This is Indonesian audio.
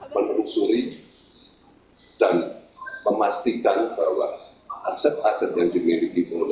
menurut suri dan memastikan bahwa aset aset yang dimiliki